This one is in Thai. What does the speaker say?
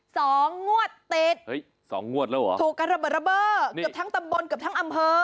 สองงวดติดถูกกันระเบิดเกือบทั้งตำบลเกือบทั้งอำเภอ